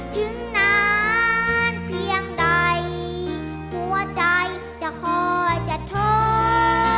ถึงนานเพียงใดหัวใจจะคอยจะท้อ